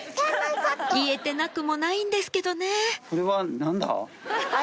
言えてなくもないんですけどね